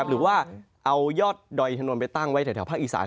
หรือว่าเอายอดดอยอินถนนไปตั้งไว้แถวภาคอีสาน